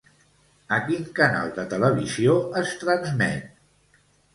A quin canal de televisió es transmet?